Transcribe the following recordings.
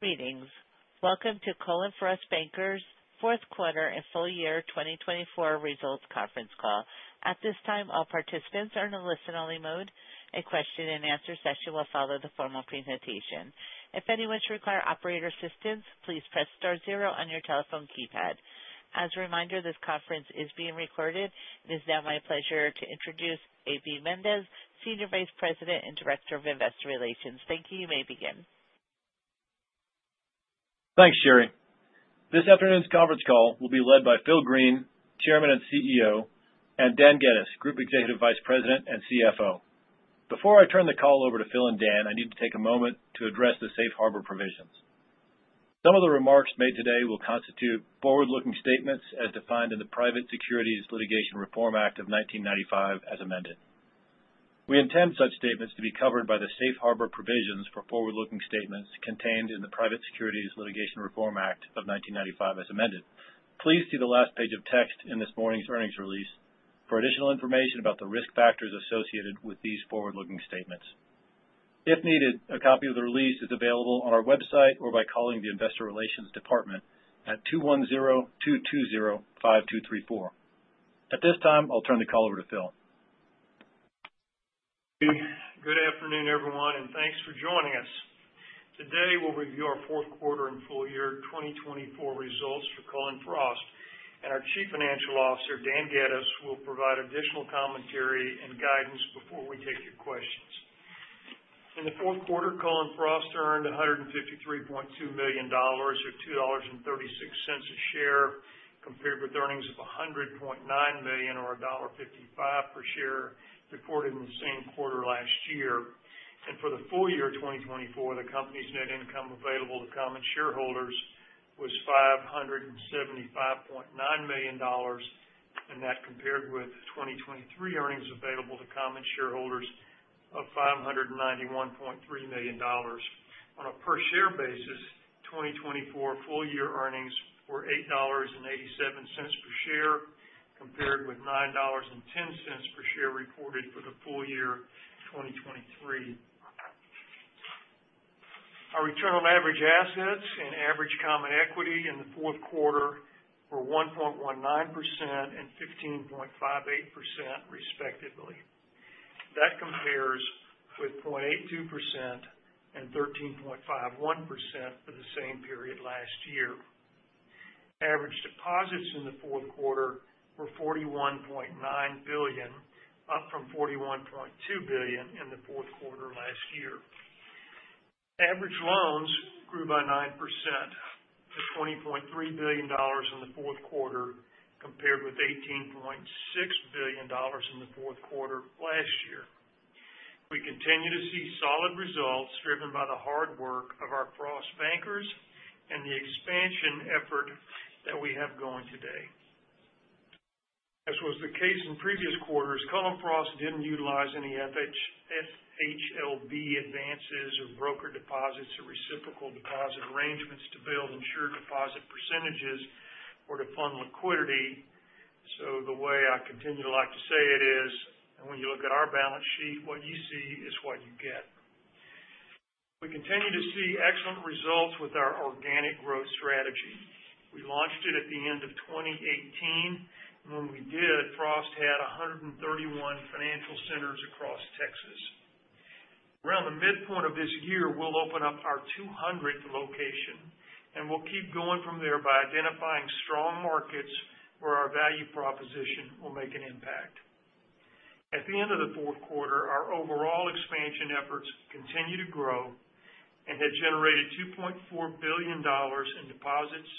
Greetings. Welcome to Cullen/Frost Bankers' Fourth Quarter and Full Year 2024 Results Conference Call. At this time, all participants are in a listen-only mode. A question-and-answer session will follow the formal presentation. If anyone should require operator assistance, please press star zero on your telephone keypad. As a reminder, this conference is being recorded. It is now my pleasure to introduce A.B. Mendez, Senior Vice President and Director of Investor Relations. Thank you. You may begin. Thanks, Sherry. This afternoon's conference call will be led by Phil Green, Chairman and CEO, and Dan Geddes, Group Executive Vice President and CFO. Before I turn the call over to Phil and Dan, I need to take a moment to address the safe harbor provisions. Some of the remarks made today will constitute forward-looking statements as defined in the Private Securities Litigation Reform Act of 1995, as amended. We intend such statements to be covered by the safe harbor provisions for forward-looking statements contained in the Private Securities Litigation Reform Act of 1995, as amended. Please see the last page of text in this morning's earnings release for additional information about the risk factors associated with these forward-looking statements. If needed, a copy of the release is available on our website or by calling the Investor Relations Department at 210-220-5234. At this time, I'll turn the call over to Phil. Good afternoon, everyone, and thanks for joining us. Today, we'll review our fourth quarter and full year 2024 results for Cullen/Frost, and our Chief Financial Officer, Dan Geddes, will provide additional commentary and guidance before we take your questions. In the fourth quarter, Cullen/Frost earned $153.2 million, or $2.36 a share, compared with earnings of $100.9 million, or $1.55 per share, reported in the same quarter last year. And for the full year 2024, the company's net income available to common shareholders was $575.9 million, and that compared with 2023 earnings available to common shareholders of $591.3 million. On a per-share basis, 2024 full year earnings were $8.87 per share, compared with $9.10 per share reported for the full year 2023. Our return on average assets and average common equity in the fourth quarter were 1.19% and 15.58%, respectively. That compares with 0.82% and 13.51% for the same period last year. Average deposits in the fourth quarter were $41.9 billion, up from $41.2 billion in the fourth quarter last year. Average loans grew by 9% to $20.3 billion in the fourth quarter, compared with $18.6 billion in the fourth quarter last year. We continue to see solid results driven by the hard work of our Frost Bankers and the expansion effort that we have going today. As was the case in previous quarters, Cullen/Frost didn't utilize any FHLB advances or broker deposits or reciprocal deposit arrangements to build insured deposit percentages or to fund liquidity. So the way I continue to like to say it is, when you look at our balance sheet, what you see is what you get. We continue to see excellent results with our organic growth strategy. We launched it at the end of 2018, and when we did, Frost had 131 financial centers across Texas. Around the midpoint of this year, we'll open up our 200th location, and we'll keep going from there by identifying strong markets where our value proposition will make an impact. At the end of the fourth quarter, our overall expansion efforts continue to grow and have generated $2.4 billion in deposits,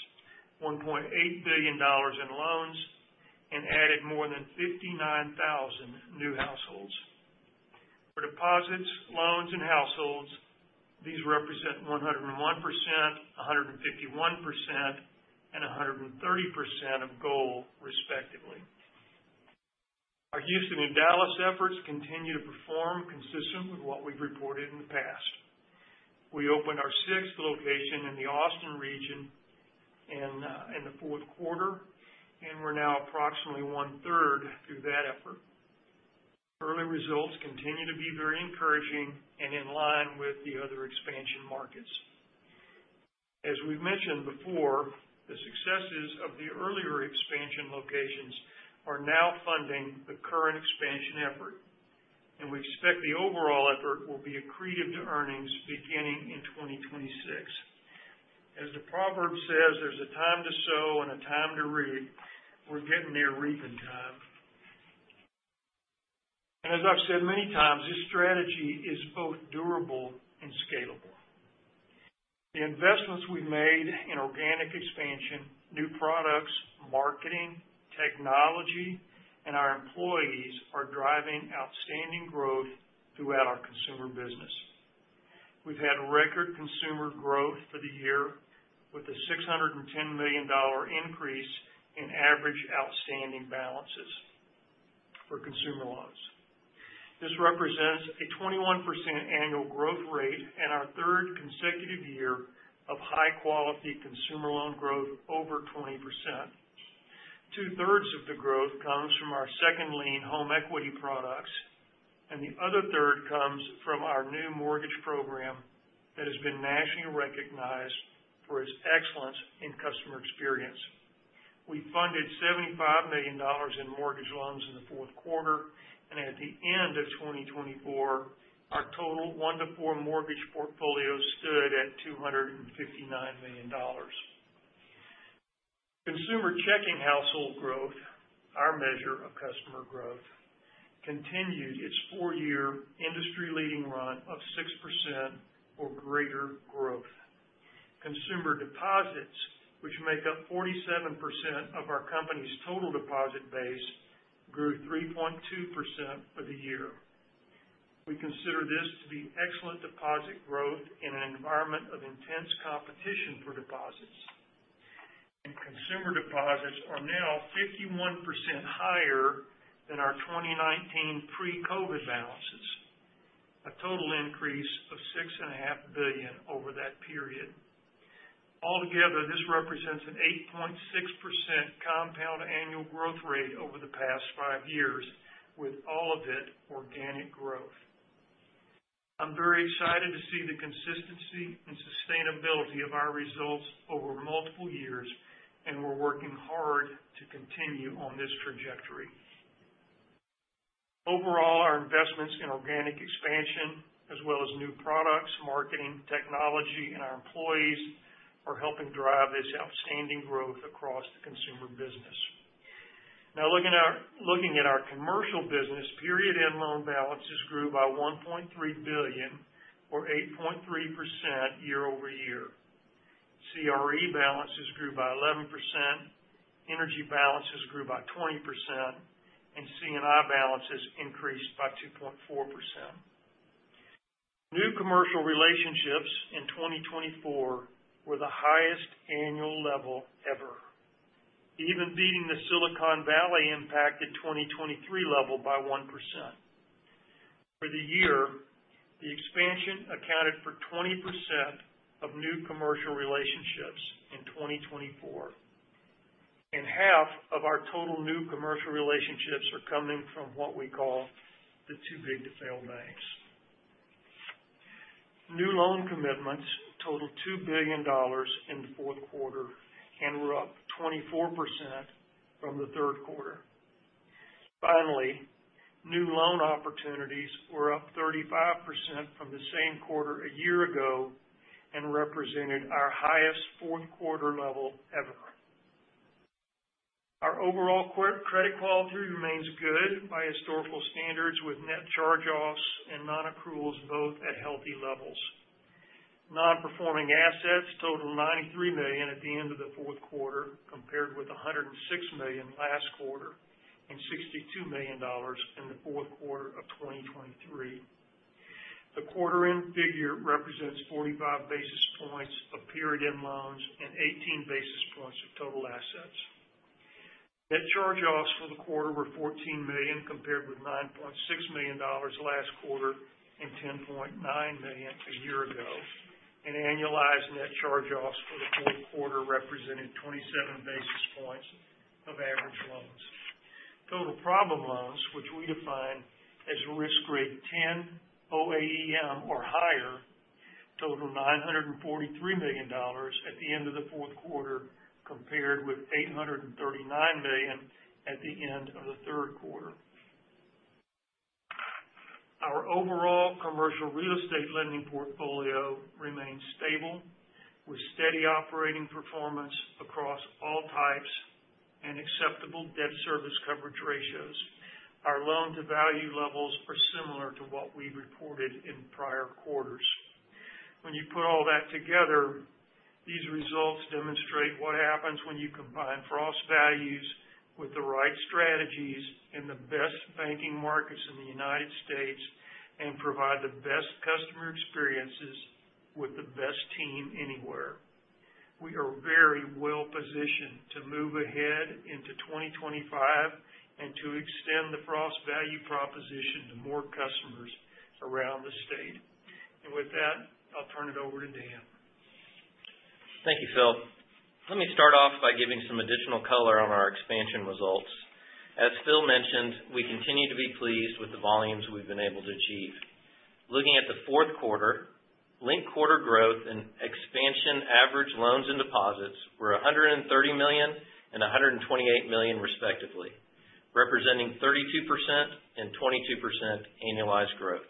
$1.8 billion in loans, and added more than 59,000 new households. For deposits, loans, and households, these represent 101%, 151%, and 130% of goal, respectively. Our Houston and Dallas efforts continue to perform consistent with what we've reported in the past. We opened our sixth location in the Austin region in the fourth quarter, and we're now approximately one-third through that effort. Early results continue to be very encouraging and in line with the other expansion markets. As we've mentioned before, the successes of the earlier expansion locations are now funding the current expansion effort, and we expect the overall effort will be accretive to earnings beginning in 2026. As the proverb says, "There's a time to sow and a time to reap." We're getting near reaping time. As I've said many times, this strategy is both durable and scalable. The investments we've made in organic expansion, new products, marketing, technology, and our employees are driving outstanding growth throughout our consumer business. We've had record consumer growth for the year with a $610 million increase in average outstanding balances for consumer loans. This represents a 21% annual growth rate and our third consecutive year of high-quality consumer loan growth over 20%. Two-thirds of the growth comes from our second-lien home equity products, and the other third comes from our new mortgage program that has been nationally recognized for its excellence in customer experience. We funded $75 million in mortgage loans in the fourth quarter, and at the end of 2024, our total one-to-four mortgage portfolio stood at $259 million. Consumer checking household growth, our measure of customer growth, continued its four-year industry-leading run of 6% or greater growth. Consumer deposits, which make up 47% of our company's total deposit base, grew 3.2% for the year. We consider this to be excellent deposit growth in an environment of intense competition for deposits, and consumer deposits are now 51% higher than our 2019 pre-COVID balances, a total increase of $6.5 billion over that period. Altogether, this represents an 8.6% compound annual growth rate over the past five years, with all of it organic growth. I'm very excited to see the consistency and sustainability of our results over multiple years, and we're working hard to continue on this trajectory. Overall, our investments in organic expansion, as well as new products, marketing, technology, and our employees, are helping drive this outstanding growth across the consumer business. Now, looking at our commercial business, period-end loan balances grew by $1.3 billion, or 8.3% year over year. CRE balances grew by 11%. Energy balances grew by 20%, and C&I balances increased by 2.4%. New commercial relationships in 2024 were the highest annual level ever, even beating the Silicon Valley impacted 2023 level by 1%. For the year, the expansion accounted for 20% of new commercial relationships in 2024, and half of our total new commercial relationships are coming from what we call the too big to fail banks. New loan commitments totaled $2 billion in the fourth quarter and were up 24% from the third quarter. Finally, new loan opportunities were up 35% from the same quarter a year ago and represented our highest fourth quarter level ever. Our overall credit quality remains good by historical standards, with net charge-offs and non-accruals both at healthy levels. Non-performing assets totaled $93 million at the end of the fourth quarter, compared with $106 million last quarter and $62 million in the fourth quarter of 2023. The quarter-end figure represents 45 basis points of period-end loans and 18 basis points of total assets. Net charge-offs for the quarter were $14 million, compared with $9.6 million last quarter and $10.9 million a year ago. An annualized net charge-offs for the fourth quarter represented 27 basis points of average loans. Total problem loans, which we define as risk grade 10, OAEM, or higher, totaled $943 million at the end of the fourth quarter, compared with $839 million at the end of the third quarter. Our overall commercial real estate lending portfolio remains stable, with steady operating performance across all types and acceptable debt service coverage ratios. Our loan-to-value levels are similar to what we reported in prior quarters. When you put all that together, these results demonstrate what happens when you combine Frost values with the right strategies in the best banking markets in the United States and provide the best customer experiences with the best team anywhere. We are very well positioned to move ahead into 2025 and to extend the Frost value proposition to more customers around the state. And with that, I'll turn it over to Dan. Thank you, Phil. Let me start off by giving some additional color on our expansion results. As Phil mentioned, we continue to be pleased with the volumes we've been able to achieve. Looking at the fourth quarter, linked quarter growth and expansion average loans and deposits were $130 million and $128 million, respectively, representing 32% and 22% annualized growth.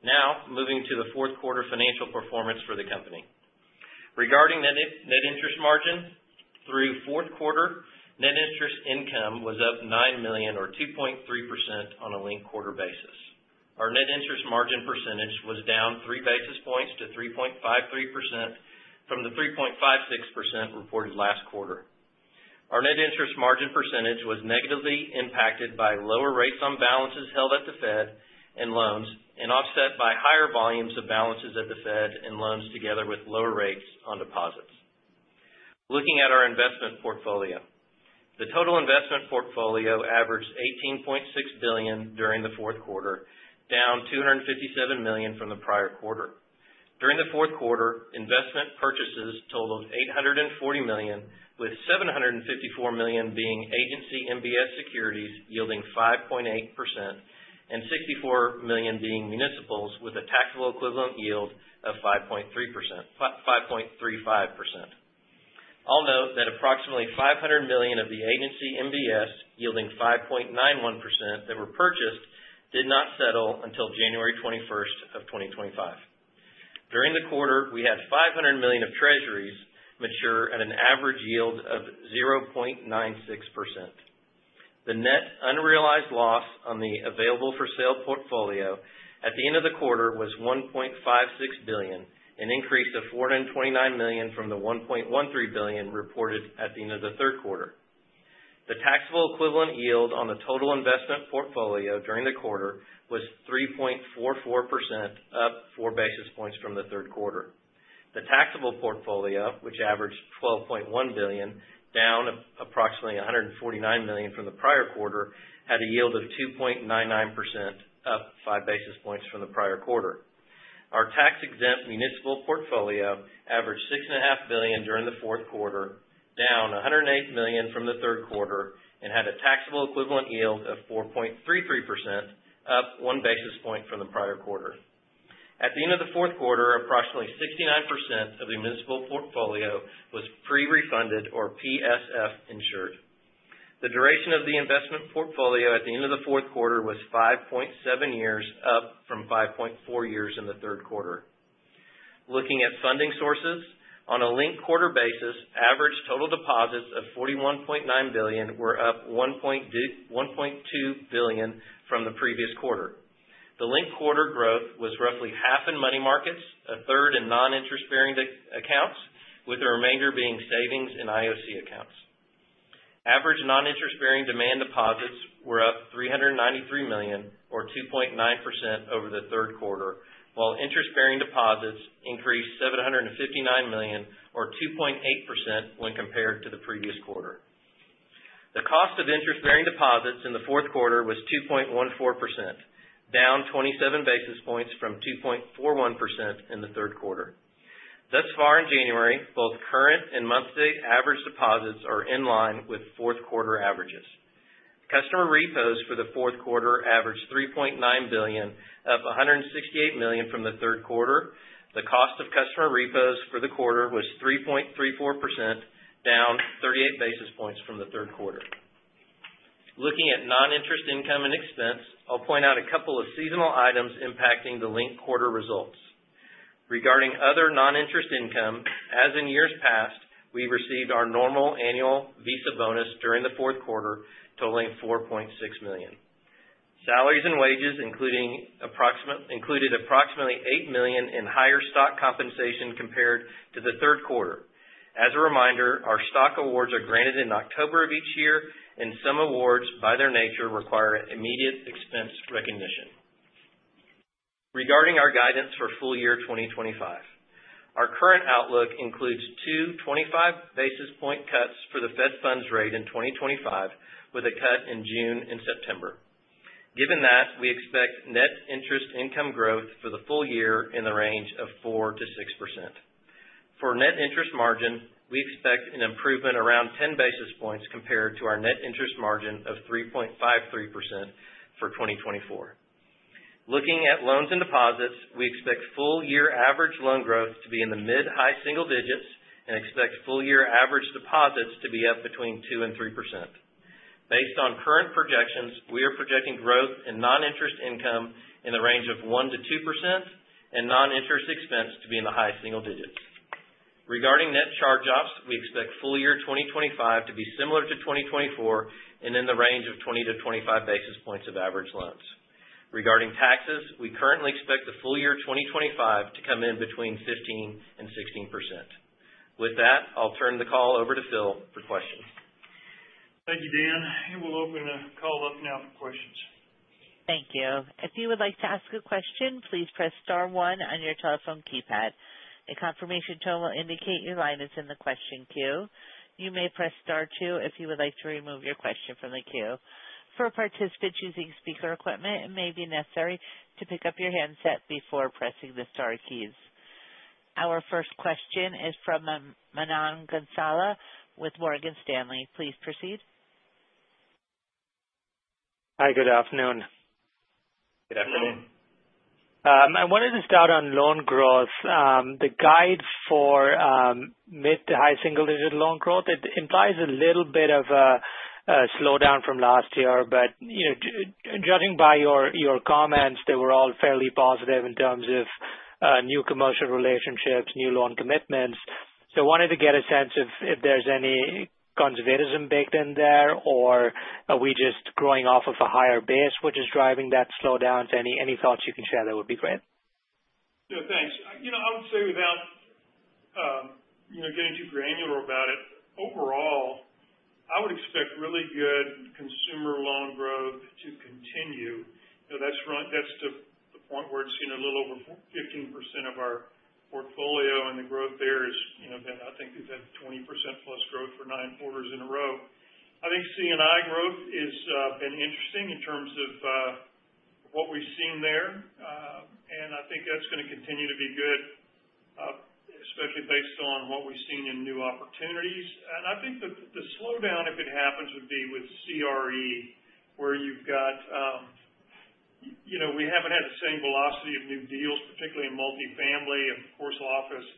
Now, moving to the fourth quarter financial performance for the company. Regarding net interest margin, through fourth quarter, net interest income was up 9 million, or 2.3%, on a linked quarter basis. Our net interest margin percentage was down 3 basis points to 3.53% from the 3.56% reported last quarter. Our net interest margin percentage was negatively impacted by lower rates on balances held at the Fed and loans, and offset by higher volumes of balances at the Fed and loans together with lower rates on deposits. Looking at our investment portfolio, the total investment portfolio averaged $18.6 billion during the fourth quarter, down $257 million from the prior quarter. During the fourth quarter, investment purchases totaled $840 million, with $754 million being Agency MBS securities yielding 5.8% and $64 million being Municipals, with a taxable equivalent yield of 5.35%. I'll note that approximately $500 million of the Agency MBS yielding 5.91% that were purchased did not settle until January 21st of 2025. During the quarter, we had $500 million of Treasuries mature at an average yield of 0.96%. The net unrealized loss on the Available-for-sale portfolio at the end of the quarter was $1.56 billion, an increase of $429 million from the $1.13 billion reported at the end of the third quarter. The taxable equivalent yield on the total investment portfolio during the quarter was 3.44%, up 4 basis points from the third quarter. The taxable portfolio, which averaged $12.1 billion, down approximately $149 million from the prior quarter, had a yield of 2.99%, up 5 basis points from the prior quarter. Our tax-exempt municipal portfolio averaged $6.5 billion during the fourth quarter, down $108 million from the third quarter, and had a taxable equivalent yield of 4.33%, up 1 basis point from the prior quarter. At the end of the fourth quarter, approximately 69% of the municipal portfolio was pre-refunded, or PSF, insured. The duration of the investment portfolio at the end of the fourth quarter was 5.7 years, up from 5.4 years in the third quarter. Looking at funding sources, on a linked quarter basis, average total deposits of $41.9 billion were up $1.2 billion from the previous quarter. The linked quarter growth was roughly half in money markets, a third in non-interest-bearing accounts, with the remainder being savings and IOC accounts. Average non-interest-bearing demand deposits were up $393 million, or 2.9%, over the third quarter, while interest-bearing deposits increased $759 million, or 2.8%, when compared to the previous quarter. The cost of interest-bearing deposits in the fourth quarter was 2.14%, down 27 basis points from 2.41% in the third quarter. Thus far in January, both current and month-to-date average deposits are in line with fourth quarter averages. Customer repos for the fourth quarter averaged $3.9 billion, up $168 million from the third quarter. The cost of customer repos for the quarter was 3.34%, down 38 basis points from the third quarter. Looking at non-interest income and expense, I'll point out a couple of seasonal items impacting the linked quarter results. Regarding other non-interest income, as in years past, we've received our normal annual Visa bonus during the fourth quarter, totaling $4.6 million. Salaries and wages included approximately $8 million in higher stock compensation compared to the third quarter. As a reminder, our stock awards are granted in October of each year, and some awards, by their nature, require immediate expense recognition. Regarding our guidance for full year 2025, our current outlook includes two 25 basis point cuts for the Fed funds rate in 2025, with a cut in June and September. Given that, we expect net interest income growth for the full year in the range of 4% to 6%. For net interest margin, we expect an improvement around 10 basis points compared to our net interest margin of 3.53% for 2024. Looking at loans and deposits, we expect full year average loan growth to be in the mid-high single digits and expect full year average deposits to be up between 2% and 3%. Based on current projections, we are projecting growth in non-interest income in the range of 1%-2% and non-interest expense to be in the high single digits. Regarding net charge-offs, we expect full year 2025 to be similar to 2024 and in the range of 20-25 basis points of average loans. Regarding taxes, we currently expect the full year 2025 to come in between 15% and 16%. With that, I'll turn the call over to Phil for questions. Thank you, Dan, and we'll open the call up now for questions. Thank you. If you would like to ask a question, please press star 1 on your telephone keypad. A confirmation tone will indicate your line is in the question queue. You may press star 2 if you would like to remove your question from the queue. For participants using speaker equipment, it may be necessary to pick up your handset before pressing the star keys. Our first question is from Manan Gosalia with Morgan Stanley. Please proceed. Hi, good afternoon. Good afternoon. I wanted to start on loan growth. The guide for mid-to-high-single-digit loan growth, it implies a little bit of a slowdown from last year, but judging by your comments, they were all fairly positive in terms of new commercial relationships, new loan commitments. So I wanted to get a sense of if there's any conservatism baked in there, or are we just growing off of a higher base, which is driving that slowdown? So any thoughts you can share, that would be great. Sure, thanks. I would say without getting too granular about it, overall, I would expect really good consumer loan growth to continue. That's the point where it's a little over 15% of our portfolio, and the growth there has been, I think we've had 20% plus growth for nine quarters in a row. I think C&I growth has been interesting in terms of what we've seen there, and I think that's going to continue to be good, especially based on what we've seen in new opportunities. And I think the slowdown, if it happens, would be with CRE, where you've got we haven't had the same velocity of new deals, particularly in multifamily and office.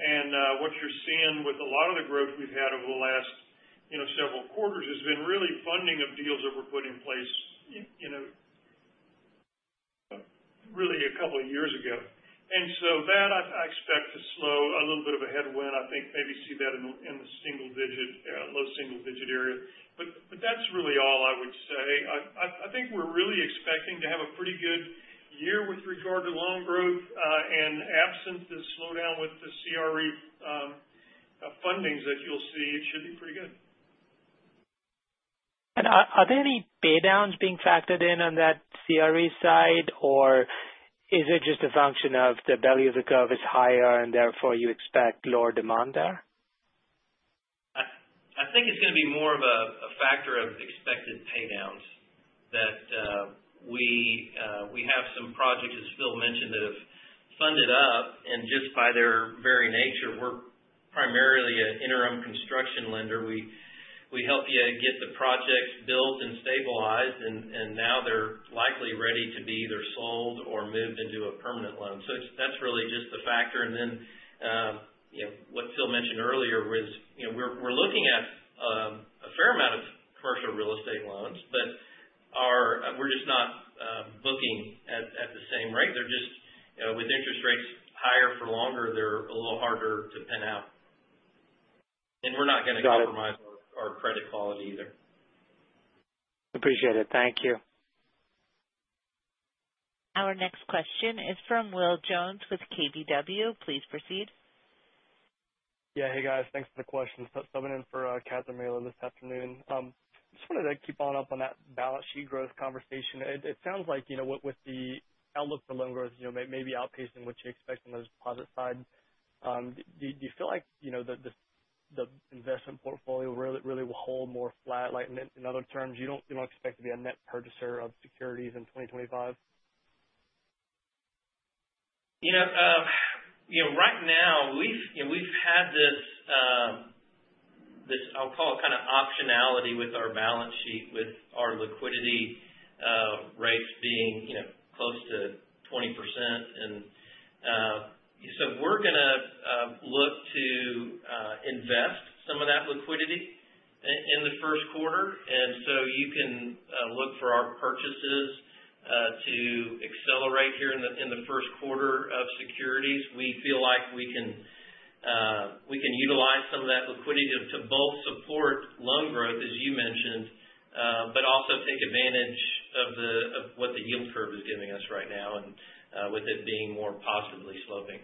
And what you're seeing with a lot of the growth we've had over the last several quarters has been really funding of deals that were put in place really a couple of years ago. And so that I expect to slow a little bit of a headwind. I think maybe see that in the single digit, low single digit area. But that's really all I would say. I think we're really expecting to have a pretty good year with regard to loan growth, and absent the slowdown with the CRE fundings that you'll see, it should be pretty good. Are there any paydowns being factored in on that CRE side, or is it just a function of the belly of the curve is higher and therefore you expect lower demand there? I think it's going to be more of a factor of expected paydowns that we have some projects, as Phil mentioned, that have funded up, and just by their very nature, we're primarily an interim construction lender. We help you get the projects built and stabilized, and now they're likely ready to be either sold or moved into a permanent loan. So that's really just the factor. And then what Phil mentioned earlier was we're looking at a fair amount of commercial real estate loans, but we're just not booking at the same rate. They're just, with interest rates higher for longer, they're a little harder to pin out. And we're not going to compromise our credit quality either. Appreciate it. Thank you. Our next question is from Will Jones with KBW. Please proceed. Yeah, hey, guys. Thanks for the question. Subbing in for Catherine Mealor this afternoon. I just wanted to keep following up on that balance sheet growth conversation. It sounds like with the outlook for loan growth, maybe outpacing what you expect on the deposit side. Do you feel like the investment portfolio really will hold more flat? In other terms, you don't expect to be a net purchaser of securities in 2025? Right now, we've had this. I'll call it kind of optionality with our balance sheet, with our liquidity rates being close to 20%. And so we're going to look to invest some of that liquidity in the first quarter. And so you can look for our purchases to accelerate here in the first quarter of securities. We feel like we can utilize some of that liquidity to both support loan growth, as you mentioned, but also take advantage of what the yield curve is giving us right now and with it being more positively sloping.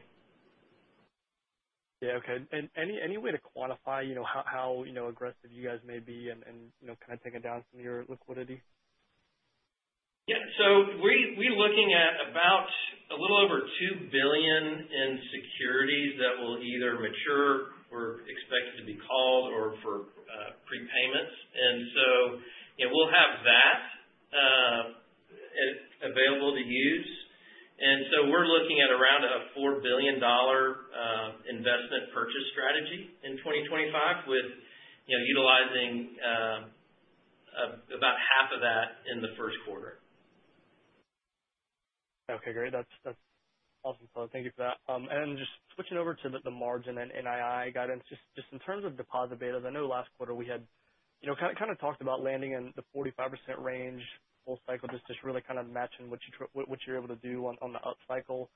Yeah, okay, and any way to quantify how aggressive you guys may be and kind of take it down some of your liquidity? Yeah. So we're looking at about a little over $2 billion in securities that will either mature or expect to be called or for prepayments, and so we'll have that available to use, and so we're looking at around a $4 billion investment purchase strategy in 2025, utilizing about half of that in the first quarter. Okay, great. That's awesome, Phil. Thank you for that, and then just switching over to the margin and NII guidance, just in terms of deposit betas. I know last quarter we had kind of talked about landing in the 45% range full cycle, just really kind of matching what you're able to do on the up cycle,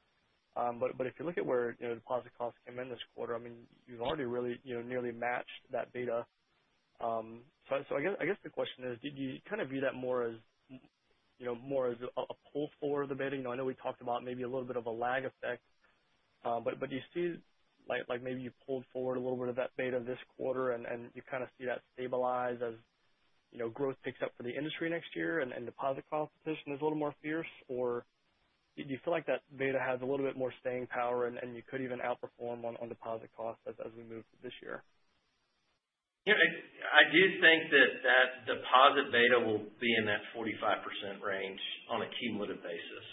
but if you look at where deposit costs came in this quarter, I mean, you've already really nearly matched that beta, so I guess the question is, do you kind of view that more as a pull forward of the beta? I know we talked about maybe a little bit of a lag effect, but do you see maybe you pulled forward a little bit of that beta this quarter and you kind of see that stabilize as growth picks up for the industry next year and deposit cost position is a little more fierce? Or do you feel like that beta has a little bit more staying power and you could even outperform on deposit costs as we move this year? Yeah. I do think that that deposit beta will be in that 45% range on a cumulative basis.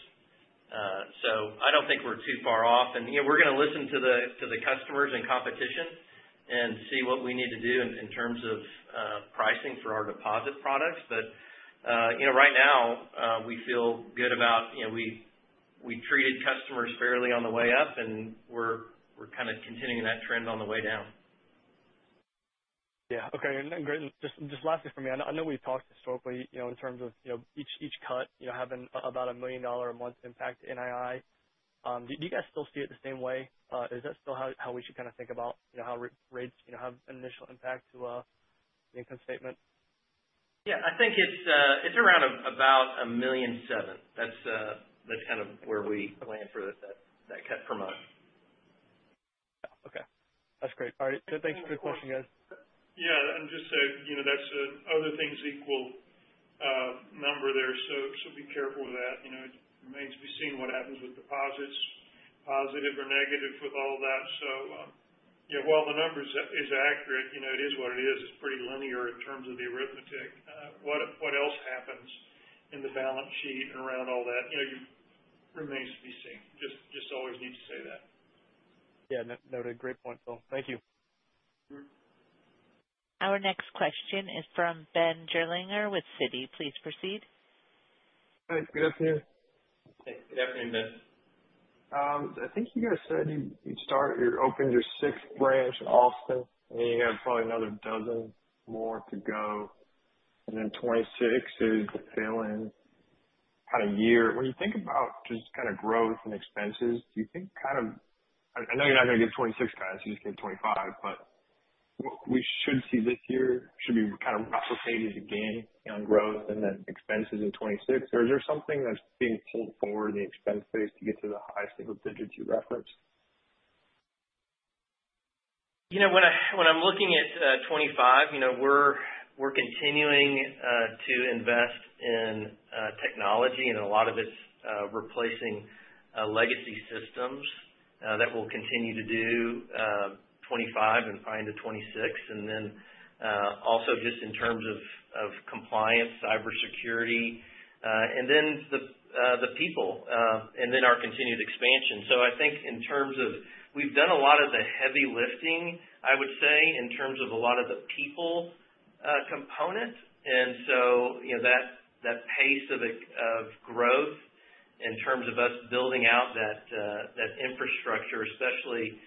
So I don't think we're too far off. We're going to listen to the customers and competition and see what we need to do in terms of pricing for our deposit products. Right now, we feel good about we treated customers fairly on the way up, and we're kind of continuing that trend on the way down. Yeah. Okay. And just lastly for me, I know we've talked historically in terms of each cut having about $1 million a month impact NII. Do you guys still see it the same way? Is that still how we should kind of think about how rates have initial impact to the income statement? Yeah. I think it's around about $1.7 million. That's kind of where we plan for that cut per month. Yeah. Okay. That's great. All right. Thanks for the question, guys. Yeah, and just say that's another things equal number there. So be careful with that. It remains to be seen what happens with deposits, positive or negative with all of that. So while the number is accurate, it is what it is. It's pretty linear in terms of the arithmetic. What else happens in the balance sheet and around all that remains to be seen. Just always need to say that. Yeah. Noted. Great point, Phil. Thank you. Our next question is from Ben Gerlinger with Citi. Please proceed. Hi. Good afternoon. Good afternoon, Ben. I think you guys said you opened your sixth branch in Austin, and you have probably another dozen more to go. And then 2026 is the fill-in kind of year. When you think about just kind of growth and expenses, do you think kind of I know you're not going to get 2026, guys. You just get 2025. But we should see this year should be kind of replicated again on growth and then expenses in 2026. Or is there something that's being pulled forward in the expense space to get to the high single digits you referenced? When I'm looking at 2025, we're continuing to invest in technology, and a lot of it's replacing legacy systems that we'll continue to do in 2025 and into 2026. Then also just in terms of compliance, cybersecurity, and then the people, and then our continued expansion. So I think in terms of we've done a lot of the heavy lifting, I would say, in terms of a lot of the people component. And so that pace of growth in terms of us building out that infrastructure, especially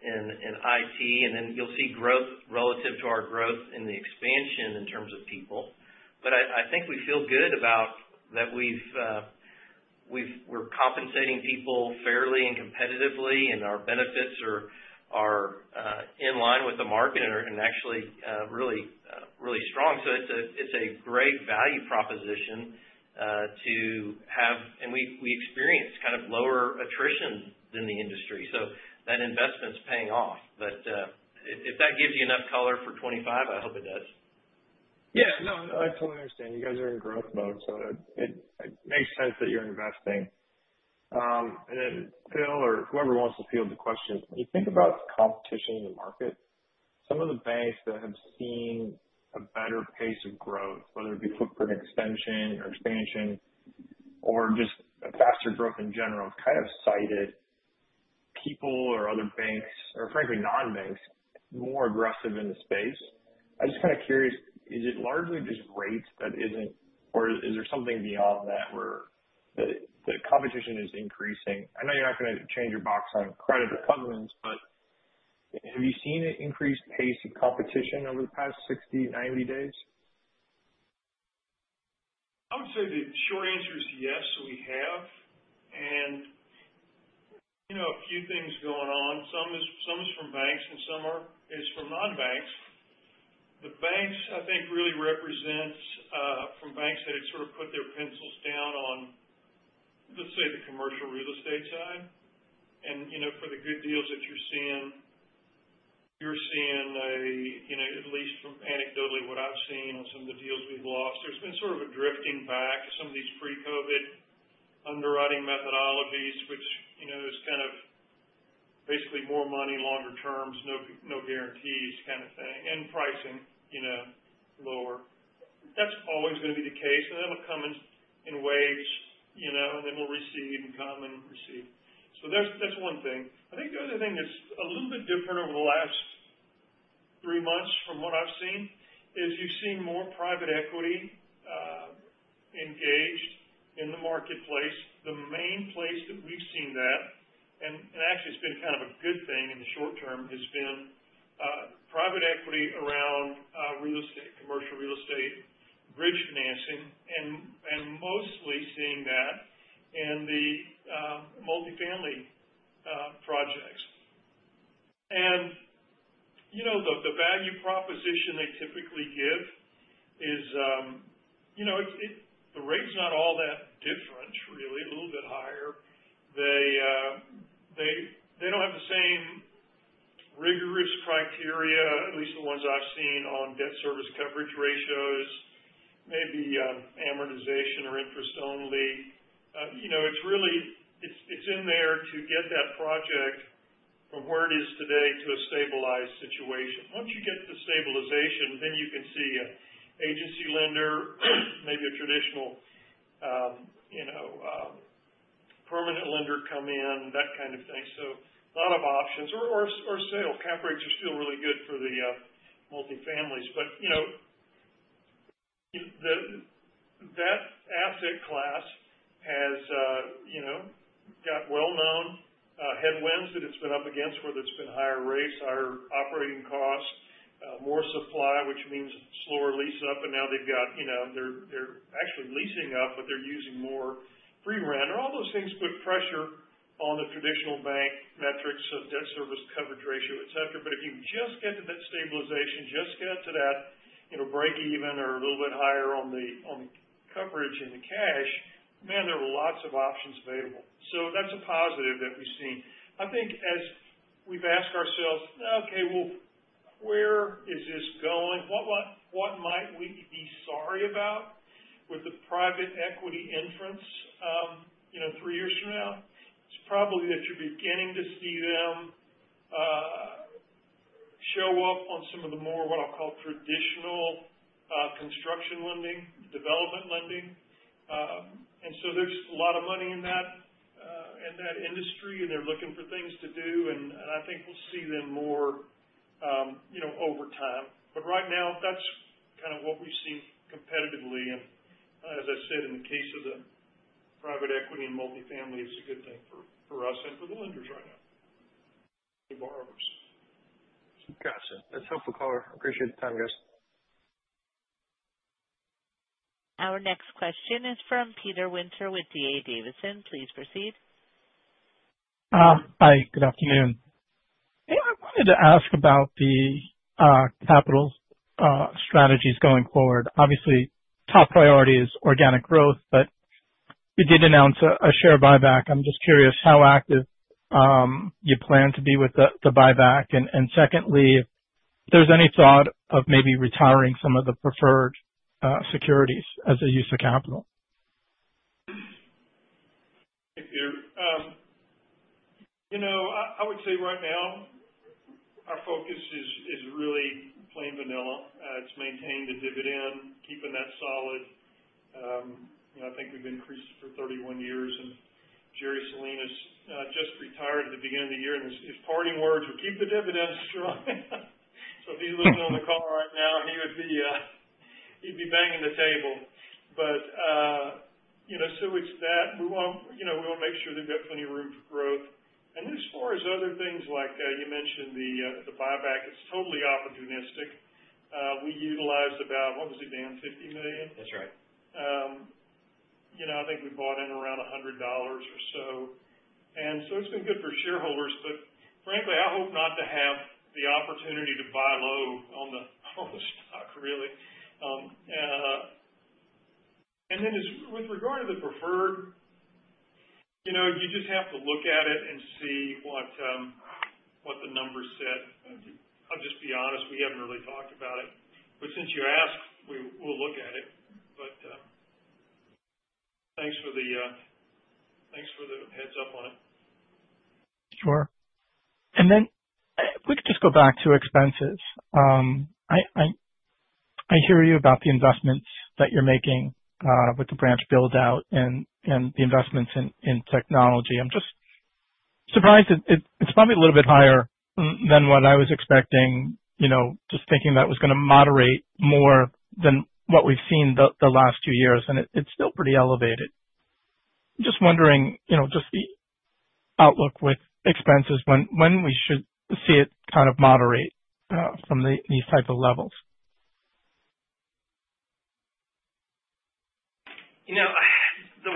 in IT, and then you'll see growth relative to our growth in the expansion in terms of people. But I think we feel good about that we're compensating people fairly and competitively, and our benefits are in line with the market and actually really strong. So it's a great value proposition to have, and we experience kind of lower attrition than the industry. So that investment's paying off. But if that gives you enough color for 25, I hope it does. Yeah. No, I totally understand. You guys are in growth mode, so it makes sense that you're investing. And then Phil or whoever wants to field the question, when you think about the competition in the market, some of the banks that have seen a better pace of growth, whether it be footprint extension or expansion or just faster growth in general, have kind of cited people or other banks or frankly, non-banks more aggressive in the space. I'm just kind of curious, is it largely just rates that isn't, or is there something beyond that where the competition is increasing? I know you're not going to change your box on credit or covenants, but have you seen an increased pace of competition over the past 60-90 days? I would say the short answer is yes, we have, and a few things going on. Some is from banks, and some is from non-banks. The banks, I think, really represents from banks that have sort of put their pencils down on, let's say, the commercial real estate side, and for the good deals that you're seeing, you're seeing, at least from anecdotally what I've seen on some of the deals we've lost, there's been sort of a drifting back to some of these pre-COVID underwriting methodologies, which is kind of basically more money, longer terms, no guarantees kind of thing, and pricing lower. That's always going to be the case, and then it'll come in waves, and then it'll recede and come and recede, so that's one thing. I think the other thing that's a little bit different over the last three months from what I've seen is you've seen more private equity engaged in the marketplace. The main place that we've seen that, and actually it's been kind of a good thing in the short term, has been private equity around real estate, commercial real estate, bridge financing, and mostly seeing that in the multifamily projects, and the value proposition they typically give is the rate's not all that different, really, a little bit higher. They don't have the same rigorous criteria, at least the ones I've seen on debt service coverage ratios, maybe amortization or interest only. It's in there to get that project from where it is today to a stabilized situation. Once you get the stabilization, then you can see an agency lender, maybe a traditional permanent lender come in, that kind of thing. So a lot of options. Or sale. Cap rates are still really good for the multifamilies. But that asset class has got well-known headwinds that it's been up against, whether it's been higher rates, higher operating costs, more supply, which means slower lease up, and now they've got, they're actually leasing up, but they're using more pre-rent. And all those things put pressure on the traditional bank metrics of debt service coverage ratio, etc. But if you just get to that stabilization, just get to that break-even or a little bit higher on the coverage and the cash, man, there are lots of options available. So that's a positive that we've seen. I think as we've asked ourselves, "Okay, well, where is this going? What might we be sorry about with the private equity entrance three years from now?" It's probably that you're beginning to see them show up on some of the more what I'll call traditional construction lending, development lending. And so there's a lot of money in that industry, and they're looking for things to do. And I think we'll see them more over time. But right now, that's kind of what we've seen competitively. And as I said, in the case of the private equity and multifamily, it's a good thing for us and for the lenders right now, the borrowers. Gotcha. That's helpful, Coller. Appreciate the time, guys. Our next question is from Peter Winter with D.A. Davidson. Please proceed. Hi. Good afternoon. Hey, I wanted to ask about the capital strategies going forward. Obviously, top priority is organic growth, but you did announce a share buyback. I'm just curious how active you plan to be with the buyback. And secondly, if there's any thought of maybe retiring some of the preferred securities as a use of capital? Thank you. I would say right now, our focus is really plain vanilla. It's maintaining the dividend, keeping that solid. I think we've increased for 31 years. And Jerry Salinas just retired at the beginning of the year, and his parting words were, "Keep the dividends strong." So if he's looking on the call right now, he'd be banging the table. But so it's that. We want to make sure they've got plenty of room for growth. And as far as other things, like you mentioned the buyback, it's totally opportunistic. We utilized about, what was it, Dan? $50 million. That's right. I think we bought in around $100 or so, and so it's been good for shareholders, but frankly, I hope not to have the opportunity to buy low on the stock, really, and then with regard to the preferred, you just have to look at it and see what the numbers set. I'll just be honest. We haven't really talked about it, but since you asked, we'll look at it, but thanks for the heads up on it. Sure. And then if we could just go back to expenses. I hear you about the investments that you're making with the branch build-out and the investments in technology. I'm just surprised it's probably a little bit higher than what I was expecting, just thinking that was going to moderate more than what we've seen the last two years. And it's still pretty elevated. I'm just wondering just the outlook with expenses, when we should see it kind of moderate from these type of levels? The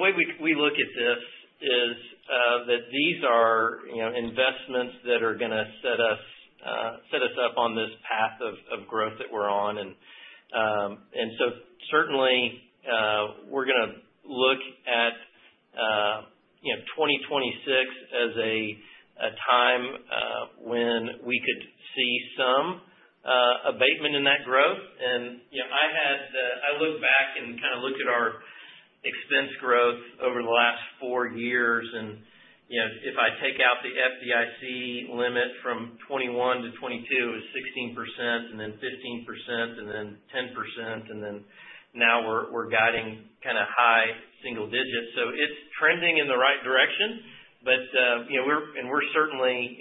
way we look at this is that these are investments that are going to set us up on this path of growth that we're on. And so certainly, we're going to look at 2026 as a time when we could see some abatement in that growth. And I look back and kind of look at our expense growth over the last four years. And if I take out the FDIC limit from 2021 to 2022, it was 16%, and then 15%, and then 10%. And then now we're guiding kind of high single digits. So it's trending in the right direction. And we're certainly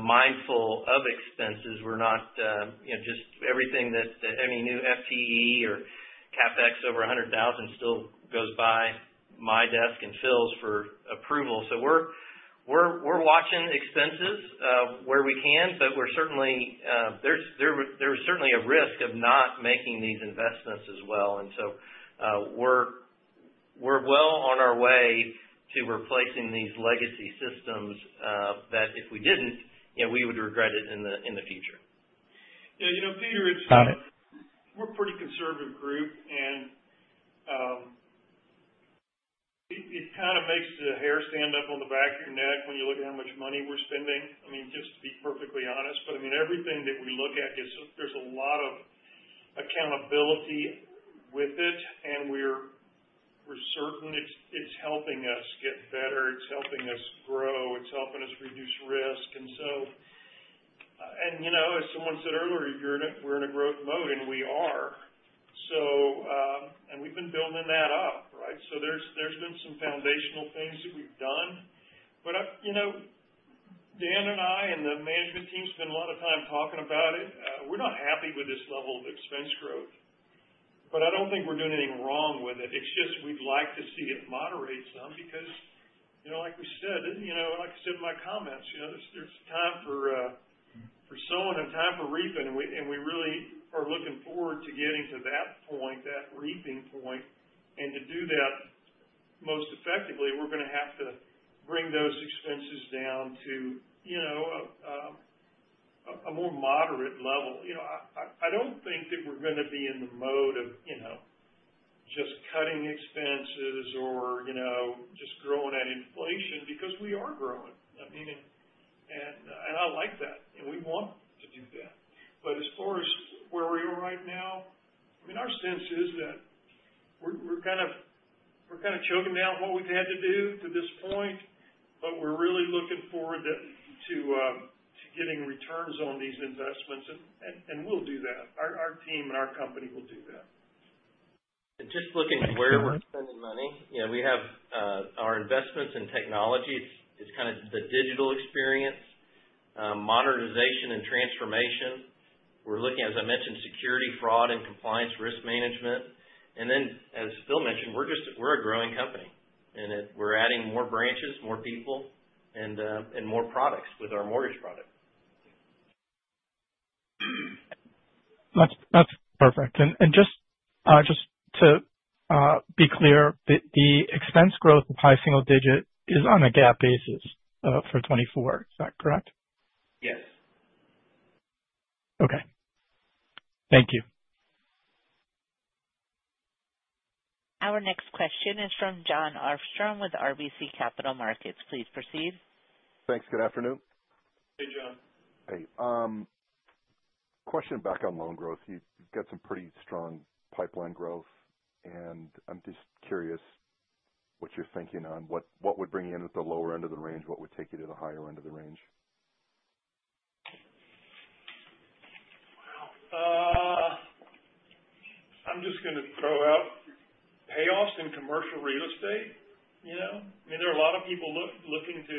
mindful of expenses. We're not just everything that any new FTE or CapEx over 100,000 still goes by my desk and files for approval. So we're watching expenses where we can, but there is certainly a risk of not making these investments as well. And so we're well on our way to replacing these legacy systems that if we didn't, we would regret it in the future. Yeah. Peter, it's a pretty conservative group, and it kind of makes the hair stand up on the back of your neck when you look at how much money we're spending, I mean, just to be perfectly honest. But I mean, everything that we look at, there's a lot of accountability with it, and we're certain it's helping us get better. It's helping us grow. It's helping us reduce risk, and as someone said earlier, we're in a growth mode, and we are, and we've been building that up, right, so there's been some foundational things that we've done, but Dan and I and the management team spend a lot of time talking about it. We're not happy with this level of expense growth, but I don't think we're doing anything wrong with it. It's just we'd like to see it moderate some because, like we said, like I said in my comments, there's time for sowing and time for reaping. And we really are looking forward to getting to that point, that reaping point. And to do that most effectively, we're going to have to bring those expenses down to a more moderate level. I don't think that we're going to be in the mode of just cutting expenses or just growing at inflation because we are growing. I mean, and I like that. And we want to do that. But as far as where we are right now, I mean, our sense is that we're kind of choking down what we've had to do to this point. But we're really looking forward to getting returns on these investments. And we'll do that. Our team and our company will do that. Just looking at where we're spending money, we have our investments in technology. It's kind of the digital experience, modernization, and transformation. We're looking, as I mentioned, security, fraud, and compliance risk management. Then, as Phil mentioned, we're a growing company. We're adding more branches, more people, and more products with our mortgage product. That's perfect. And just to be clear, the expense growth of high single digit is on a GAAP basis for 2024. Is that correct? Yes. Okay. Thank you. Our next question is from Jon Arfstrom with RBC Capital Markets. Please proceed. Thanks. Good afternoon. Hey, Jon. Hey. Question back on loan growth. You've got some pretty strong pipeline growth. And I'm just curious what you're thinking on what would bring you into the lower end of the range, what would take you to the higher end of the range. I'm just going to throw out payoffs in commercial real estate. I mean, there are a lot of people looking to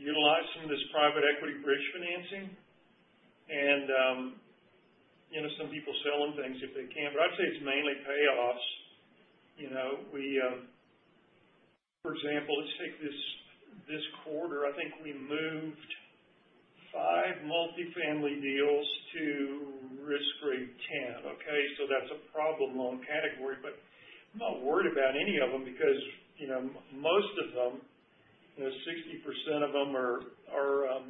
utilize some of this private equity bridge financing. And some people selling things if they can. But I'd say it's mainly payoffs. For example, let's take this quarter. I think we moved five multifamily deals to risk grade 10. Okay? So that's a problem loan category. But I'm not worried about any of them because most of them, 60% of them are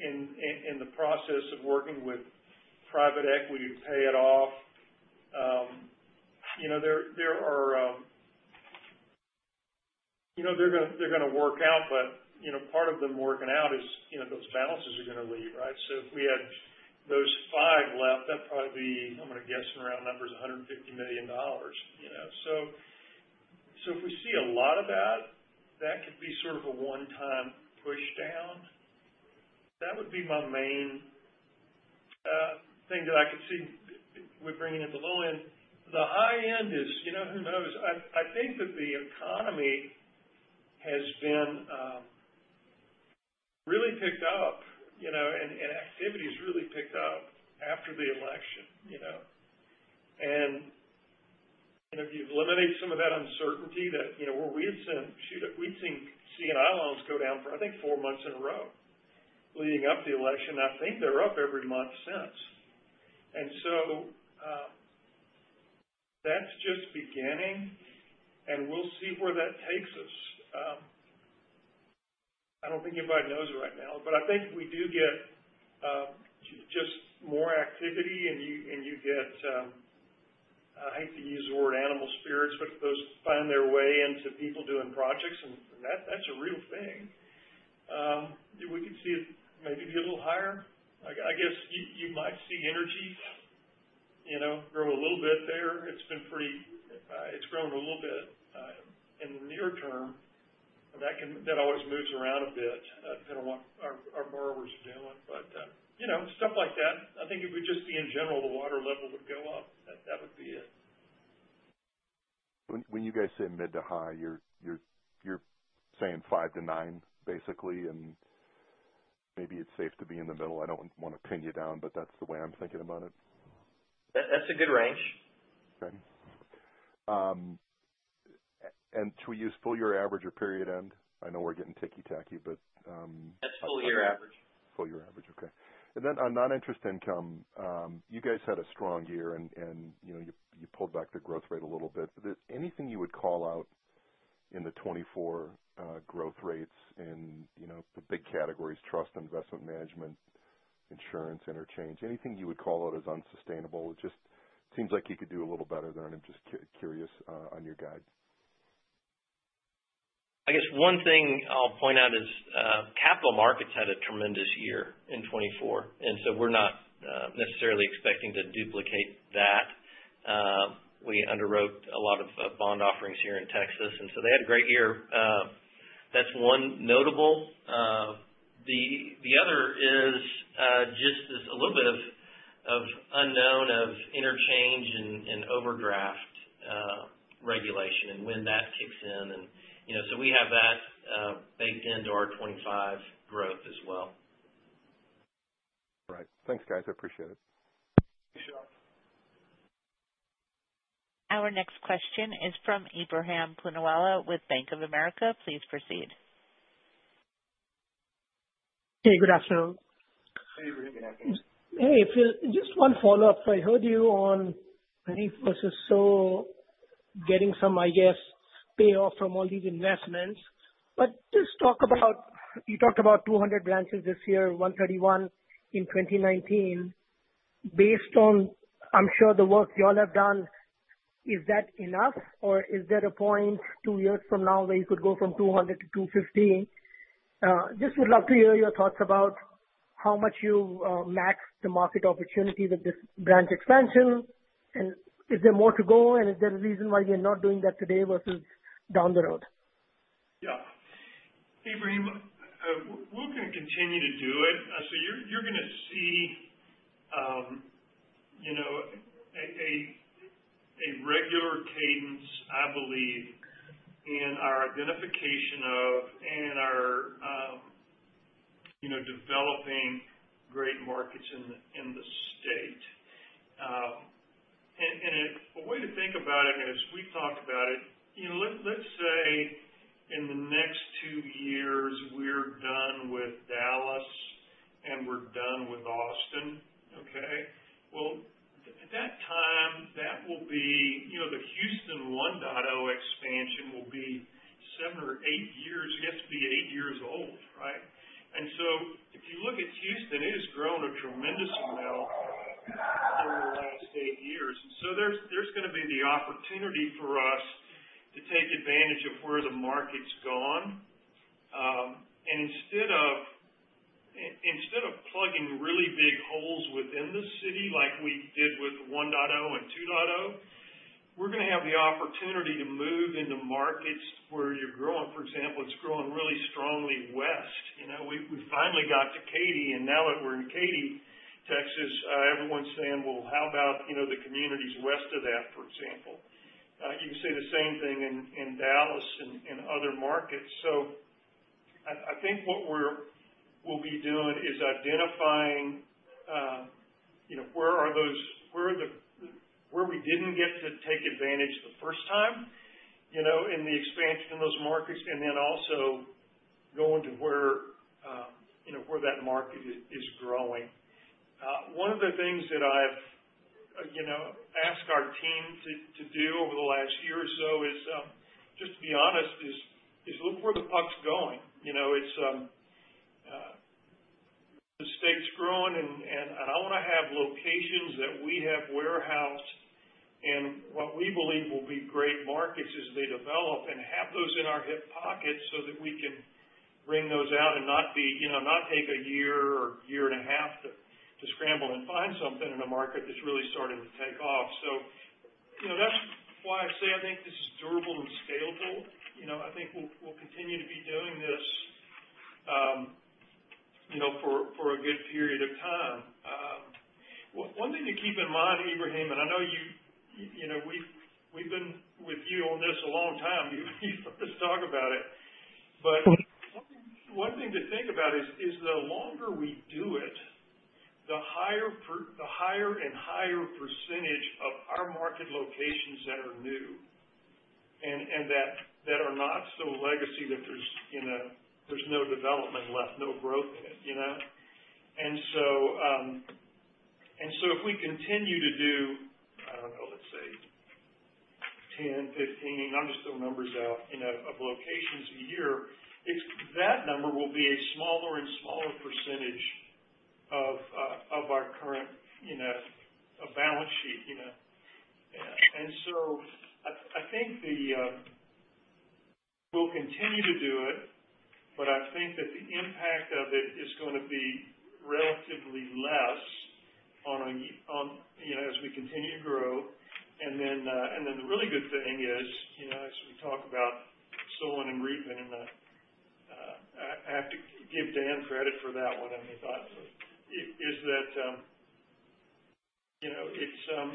in the process of working with private equity to pay it off. They're going to work out. But part of them working out is those balances are going to leave, right? So if we had those five left, that'd probably be. I'm going to guess around numbers, $150 million. So if we see a lot of that, that could be sort of a one-time push down. That would be my main thing that I could see with bringing it to the low end. The high end is, you know who knows? I think that the economy has been really picked up, and activity has really picked up after the election. And if you eliminate some of that uncertainty that where we've seen C&I loans go down for, I think, four months in a row leading up to the election, I think they're up every month since. And so that's just beginning. And we'll see where that takes us. I don't think anybody knows right now. But I think we do get just more activity. And you get, I hate to use the word animal spirits, but those find their way into people doing projects. And that's a real thing. We could see it maybe be a little higher. I guess you might see energy grow a little bit there. It's been pretty. It's grown a little bit in the near term. That always moves around a bit depending on what our borrowers are doing. But stuff like that, I think it would just be in general, the water level would go up. That would be it. When you guys say mid to high, you're saying five to nine, basically. And maybe it's safe to be in the middle. I don't want to pin you down, but that's the way I'm thinking about it. That's a good range. Okay. And should we use full year average or period end? I know we're getting nitpicky, but. That's full year average. Full year average. Okay. And then on non-interest income, you guys had a strong year, and you pulled back the growth rate a little bit. Anything you would call out in the 2024 growth rates in the big categories: trust, investment management, insurance, interchange? Anything you would call out as unsustainable? It just seems like you could do a little better there. And I'm just curious on your guide. I guess one thing I'll point out is capital markets had a tremendous year in 2024. And so we're not necessarily expecting to duplicate that. We underwrote a lot of bond offerings here in Texas. And so they had a great year. That's one notable. The other is just a little bit of unknown of interchange and overdraft regulation and when that kicks in. And so we have that baked into our 2025 growth as well. All right. Thanks, guys. I appreciate it. Thanks, John. Our next question is from Ebrahim Poonawala with Bank of America. Please proceed. Hey, good afternoon. Hey, Ebrahim. Good afternoon. Hey, Phil. Just one follow-up. I heard you on 20% or so getting some, I guess, payoff from all these investments. But just talk about you talked about 200 branches this year, 131 in 2019. Based on, I'm sure, the work y'all have done, is that enough? Or is there a point two years from now where you could go from 200-250? Just would love to hear your thoughts about how much you max the market opportunity with this branch expansion. And is there more to go? And is there a reason why you're not doing that today versus down the road? Yeah. Ebrahim, we're going to continue to do it. So you're going to see a regular cadence, I believe, in our identification of and our developing great markets in the state. And a way to think about it is we've talked about it. Let's say in the next two years, we're done with Dallas and we're done with Austin. Okay? Well, at that time, that will be the Houston 1.0 expansion will be seven or eight years. It has to be eight years old, right? And so if you look at Houston, it has grown a tremendous amount over the last eight years. And so there's going to be the opportunity for us to take advantage of where the market's gone. And instead of plugging really big holes within the city like we did with 1.0 and 2.0, we're going to have the opportunity to move into markets where you're growing. For example, it's growing really strongly west. We finally got to Katy. And now that we're in Katy, Texas, everyone's saying, "Well, how about the communities west of that, for example?" You can say the same thing in Dallas and other markets. So I think what we'll be doing is identifying where are those where we didn't get to take advantage the first time in the expansion in those markets, and then also going to where that market is growing. One of the things that I've asked our team to do over the last year or so is, just to be honest, is look where the puck's going. The state's growing. I want to have locations that we have warehoused. What we believe will be great markets as they develop and have those in our hip pocket so that we can bring those out and not take a year or a year and a half to scramble and find something in a market that's really starting to take off. That's why I say I think this is durable and scalable. I think we'll continue to be doing this for a good period of time. One thing to keep in mind, Ebrahim, and I know we've been with you on this a long time. You let us talk about it. One thing to think about is the longer we do it, the higher and higher percentage of our market locations that are new and that are not so legacy that there's no development left, no growth in it. And so if we continue to do, I don't know, let's say 10, 15, I'm just throwing numbers out, of locations a year, that number will be a smaller and smaller percentage of our current balance sheet. And so I think we'll continue to do it. But I think that the impact of it is going to be relatively less as we continue to grow. And then the really good thing is, as we talk about sowing and reaping, and I have to give Dan credit for that one, I mean, thoughtfully, is that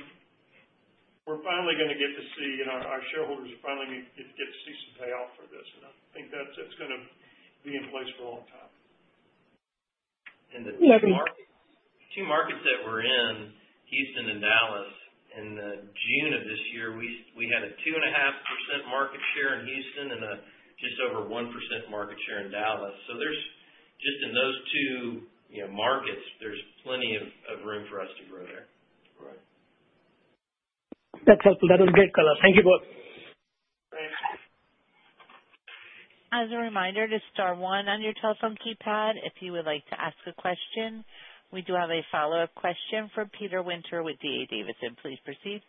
we're finally going to get to see. Our shareholders are finally going to get to see some payoff for this. And I think that's going to be in place for a long time. And the two markets that we're in, Houston and Dallas, in June of this year, we had a 2.5% market share in Houston and just over 1% market share in Dallas. So just in those two markets, there's plenty of room for us to grow there. That's helpful. That was great, Collin. Thank you both. Thanks. As a reminder, to star one on your telephone keypad if you would like to ask a question. We do have a follow-up question from Peter Winter with D.A. Davidson. Please proceed.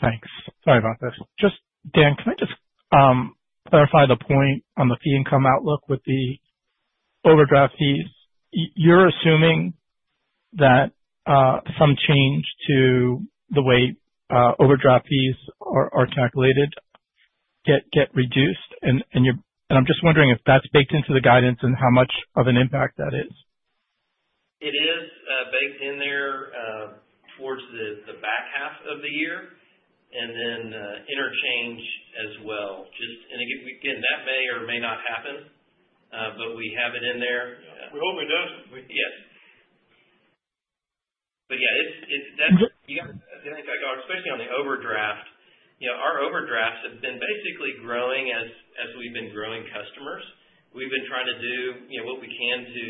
Thanks. Sorry about this. Just, Dan, can I just clarify the point on the fee income outlook with the overdraft fees? You're assuming that some change to the way overdraft fees are calculated get reduced. And I'm just wondering if that's baked into the guidance and how much of an impact that is? It is baked in there towards the back half of the year, and then interchange as well, and again, that may or may not happen, but we have it in there. We hope it does. Yes. But yeah, you got to think about, especially on the overdraft. Our overdrafts have been basically growing as we've been growing customers. We've been trying to do what we can to,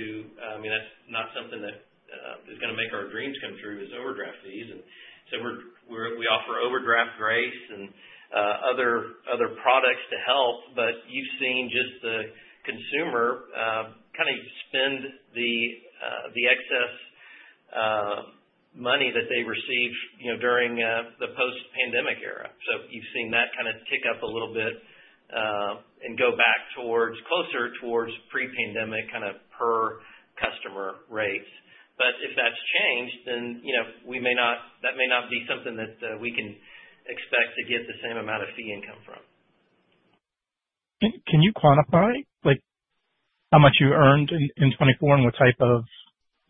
I mean, that's not something that is going to make our dreams come true is overdraft fees. And so we offer Overdraft Grace and other products to help. But you've seen just the consumer kind of spend the excess money that they received during the post-pandemic era. So you've seen that kind of tick up a little bit and go back closer towards pre-pandemic kind of per customer rates. But if that's changed, then that may not be something that we can expect to get the same amount of fee income from. Can you quantify how much you earned in 2024 and what type of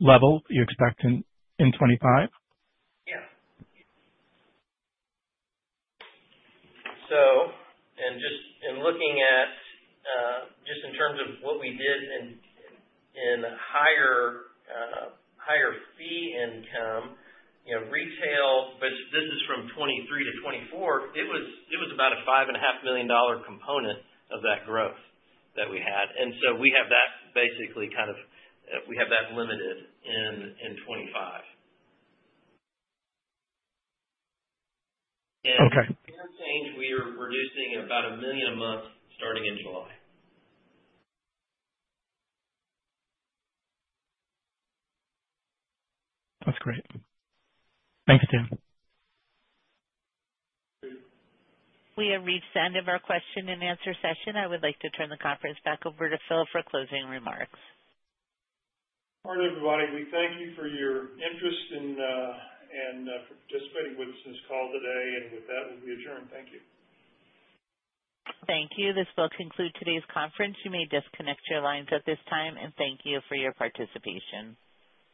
level you expect in 2025? Yeah. And just in looking at just in terms of what we did in higher fee income, retail, but this is from 2023 to 2024, it was about a $5.5 million component of that growth that we had. And so we have that basically kind of limited in 2025. And interchange, we are reducing about $1 million a month starting in July. That's great. Thanks, Tim. We have reached the end of our question and answer session. I would like to turn the conference back over to Phil for closing remarks. All right, everybody. We thank you for your interest and for participating with us in this call today. And with that, we'll be adjourned. Thank you. Thank you. This will conclude today's conference. You may disconnect your lines at this time and thank you for your participation.